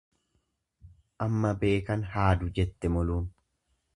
Amma beekan haadu jette moluun.